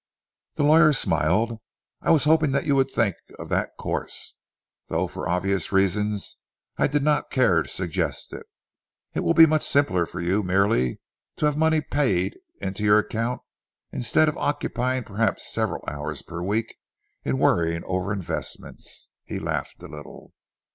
The lawyer smiled. "I was hoping that you would think of that course, though, for obvious reasons I did not care to suggest it. It will be much simpler for you merely to have monies paid into your account instead of occupying perhaps several hours per week in worrying over investments." He laughed a little.